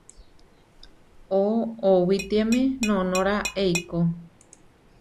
Oʼowitiáme noʼnóra eikó.